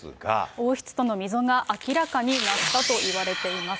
王室との溝が明らかになったといわれています。